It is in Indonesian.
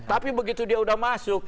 tapi begitu dia sudah masuk